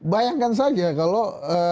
bayangkan saja kalau